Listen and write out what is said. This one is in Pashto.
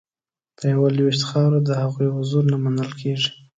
په یوه لوېشت خاوره د هغوی حضور نه منل کیږي